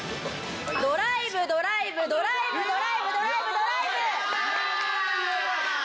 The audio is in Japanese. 「ドライブ」「ドライブ」「ドライブ」「ドライブ」「ドライブ」「ドライブ」やったー！